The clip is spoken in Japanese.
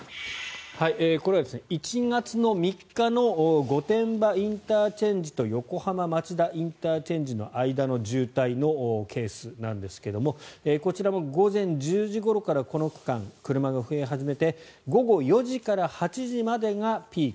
これは１月３日の御殿場ＩＣと横浜町田ＩＣの間の渋滞のケースですがこちらも午前１０時ごろからこの区間、車が増え始めて午後４時から８時までがピーク。